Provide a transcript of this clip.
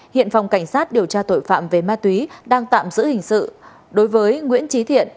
hiện phòng cảnh sát điều tra tội phạm về ma túy đang tạm giữ hình sự đối với nguyễn trí thiện